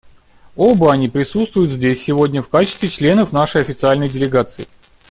Оба они присутствуют здесь сегодня в качестве членов нашей официальной делегации.